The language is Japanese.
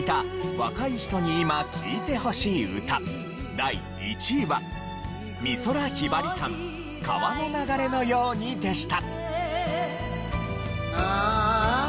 若い人に今聴いてほしい歌第１位は美空ひばりさん『川の流れのように』でした。